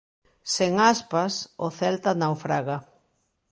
Sen Aspas, o Celta naufraga.